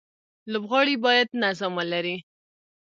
لوبغاړي باید نظم ولري.